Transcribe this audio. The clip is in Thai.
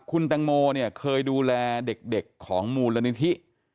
คุณตังโมเคยดูแลเด็กของหมู่ละนิทิ